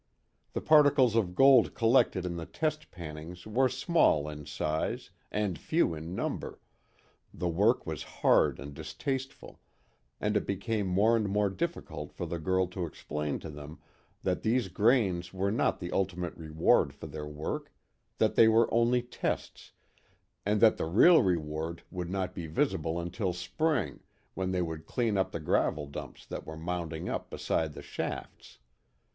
The particles of gold collected in the test pannings were small in size, and few in number, the work was hard and distasteful, and it became more and more difficult for the girl to explain to them that these grains were not the ultimate reward for the work, that they were only tests, and that the real reward would not be visible until spring when they would clean up the gravel dumps that were mounding up beside the shafts.